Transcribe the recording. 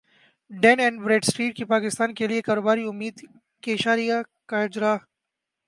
done and Bradstreet کے پاکستان کیلیے کاروباری امید کے اشاریہ کا اجرا